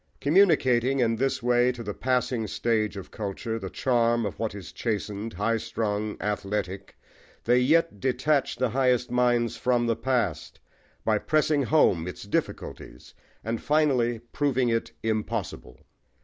Communicating, in this way, to the passing stage of culture, the charm of what is chastened, high strung, athletic, they yet detach the highest minds from the past, by pressing home its difficulties and finally proving it impossible.